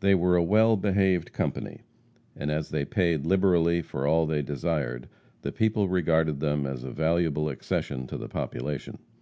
They were a well behaved company, and as they paid liberally for all they desired, the people regarded them as a valuable accession to the population.